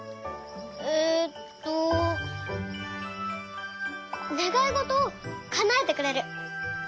えっとねがいごとをかなえてくれる。